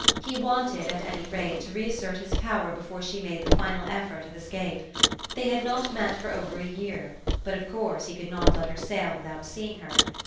He wanted, at any rate, to reassert his power before she made the final effort of escape. They had not met for over a year, but of course he could not let her sail without seeing her.